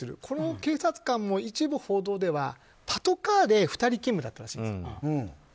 この警察官も一部報道ではパトカーで２人勤務だったんですね。